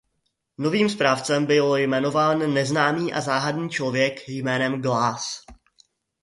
Novým správcem byl jmenován neznámý a záhadný člověk jménem Glass.